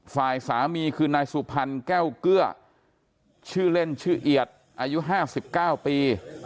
ฝ่ายสามีคือนายสุพรรณแก้วเกลือชื่อเล่นชื่อเอียดอายุ๕๙ปี